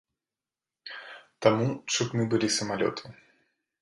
Таму чутны былі самалёты.